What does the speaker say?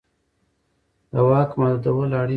د واک محدودول اړین دي